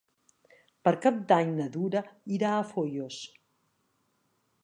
Per Cap d'Any na Duna irà a Foios.